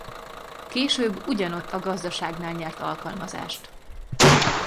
Később ugyanott a gazdaságnál nyert alkalmazást.